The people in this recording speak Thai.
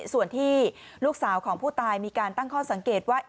ส่วนที่ลูกสาวของผู้ตายมีการตั้งข้อสังเกตว่า